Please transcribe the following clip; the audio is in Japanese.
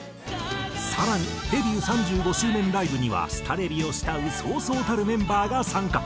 更にデビュー３５周年ライブにはスタレビを慕うそうそうたるメンバーが参加。